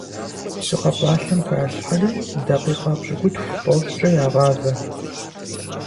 Псы къэкъуалъэм халъхьэри дакъикъэ пщыкӏутху-тӏощӏкъэ ягъавэ.